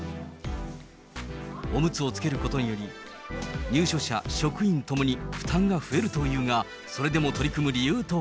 おむつをつけることにより、入所者、職員ともに負担が増えるというが、それでも取り組む理由とは。